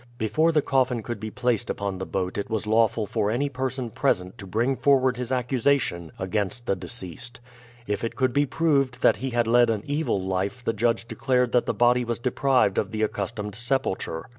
Before the coffin could be placed upon the boat it was lawful for any person present to bring forward his accusation against the deceased. If it could be proved that he had led an evil life the judge declared that the body was deprived of the accustomed sepulture.